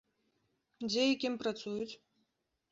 Дзе і кім працуюць?